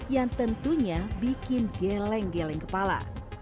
yang tentunya bikin geleng geleng kepala